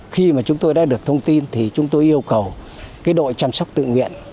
khi mà chúng tôi đã được thông tin thì chúng tôi yêu cầu đội chăm sóc tự nguyện